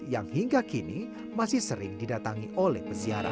yang hingga kini masih sering didatangi oleh peziarah